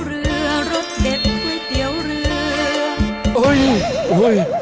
เล็กถือป้ายแย่